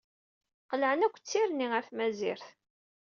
Qelɛen akk d tirni ar tmazirt.